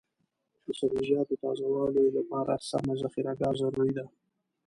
د سبزیجاتو تازه والي لپاره سمه ذخیره ګاه ضروري ده.